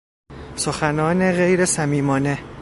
سخنان غیرصمیمانه